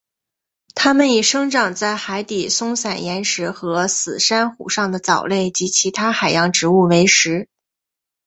它们以生长在海底松散岩石和死珊瑚上的藻类及其他海洋植物为食。